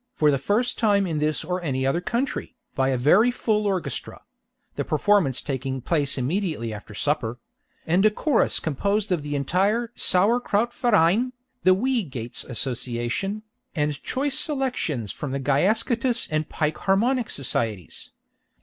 for the first time in this or any other country, by a very full orchestra (the performance taking place immediately after supper), and a chorus composed of the entire "Sauer Kraut Verein," the "Wee Gates Association," and choice selections from the "Gyascutus" and "Pike harmonic" societies.